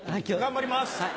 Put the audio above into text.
頑張ります！